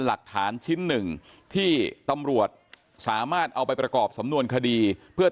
หลักฐานชิ้นหนึ่งที่ตำรวจสามารถเอาไปประกอบสำนวนคดีเพื่อ